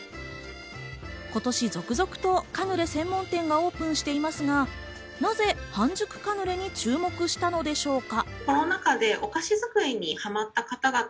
今年続々とカヌレ専門店がオープンしていますが、なぜ半熟カヌレに注目したのでしょうか。